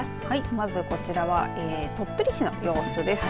まずこちらは鳥取市の様子です。